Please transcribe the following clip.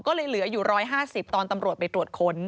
ก็เลยเหลืออยู่๑๕๐ตอนตำรวจไปตรวจค้น